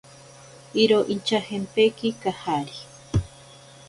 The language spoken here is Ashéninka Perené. Iro inchajempeki kajari.